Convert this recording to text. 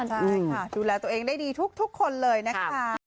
ใช่ค่ะดูแลตัวเองได้ดีทุกคนเลยนะคะ